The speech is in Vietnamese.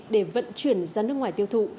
để vận chuyển ra nước ngoài tiêu thụ